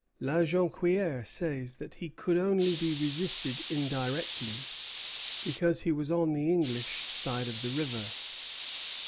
La Jonquière says that he could only be resisted indirectly, because he was on the English side of the river.